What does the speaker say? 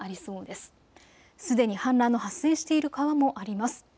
すでに氾濫の発生している川もあります。